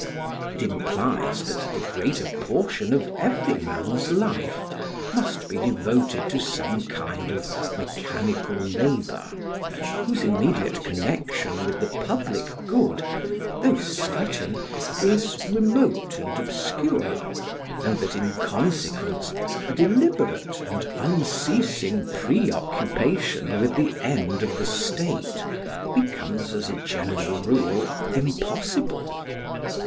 It implies that the greater portion of every man's life must be devoted to some kind of mechanical labour, whose immediate connection with the public good, though certain, is remote and obscure; and that in consequence a deliberate and unceasing preoccupation with the end of the state becomes as a general rule impossible.